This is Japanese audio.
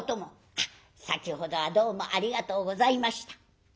「あっ先ほどはどうもありがとうございました」。